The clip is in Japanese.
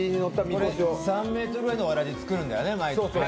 毎年３ｍぐらいのわらじを作るんだよね。